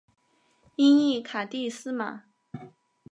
音译卡蒂斯玛。